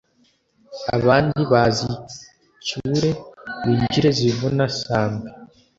Abandi bazicyure, winjire zivuna sambwe